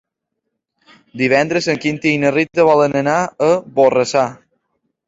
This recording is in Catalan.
Divendres en Quintí i na Rita volen anar a Borrassà.